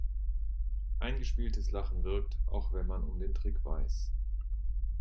Eingespieltes Lachen wirkt, auch wenn man um den Trick weiß.